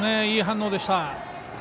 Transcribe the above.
いい反応でした。